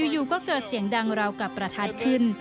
อยู่ก็เกิดเสียงดังราวกับประทัดขึ้น